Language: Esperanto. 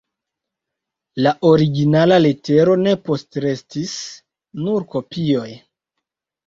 La originala letero ne postrestis, nur kopioj.